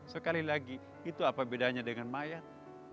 sekali lagi itu apa bedanya dengan mayat